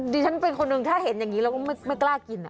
ดิฉันเป็นคนหนึ่งถ้าเห็นอย่างนี้เราก็ไม่กล้ากิน